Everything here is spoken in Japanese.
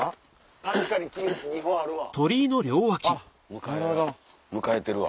確かに木２本あるわ。